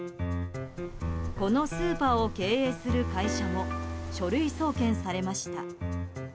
このスーパーを経営する会社も書類送検されました。